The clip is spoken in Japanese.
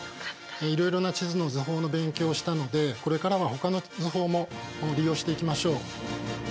いろいろな地図の図法の勉強をしたのでこれからはほかの図法も利用していきましょう。